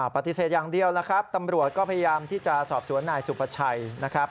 ปฏิเสธอย่างเดียวแล้วครับตำรวจก็พยายามที่จะสอบสวนนายสุภาชัยนะครับ